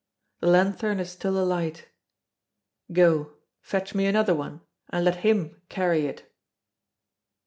The lanthorn is still alight. Go, fetch me another one, and let him carry it!"